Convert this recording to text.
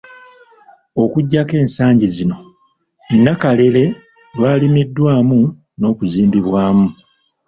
Okuggyako ensangi zino Nnakalere lw'alimiddwamu n'okuzimbibwamu.